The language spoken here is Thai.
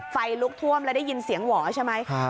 ไฟลุกท่วมแล้วได้ยินเสียงหวอใช่ไหม